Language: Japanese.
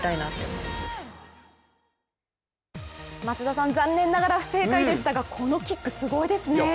松田さん、残念ながら不正解でしたがこのキック、すごいですね。